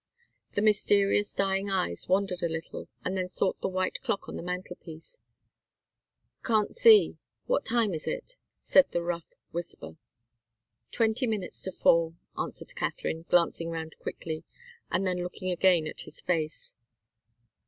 The mysterious, dying eyes wandered a little, and then sought the white clock on the mantelpiece. "Can't see what time it is," said the rough whisper. "Twenty minutes to four," answered Katharine, glancing round quickly, and then looking again at his face.